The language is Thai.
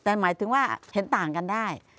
แต่หมายถึงว่าเห็นต่างกันได้